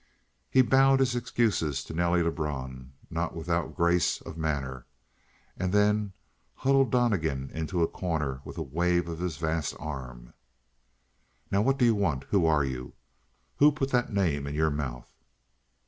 He bowed his excuses to Nelly Lebrun, not without grace of manner, and then huddled Donnegan into a corner with a wave of his vast arm. "Now what do you want? Who are you? Who put that name in your mouth?"